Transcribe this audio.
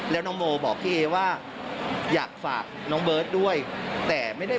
แล้วน้องโมบอกพี่เอว่าอยากฝากน้องเบิร์ตด้วยแต่ไม่ได้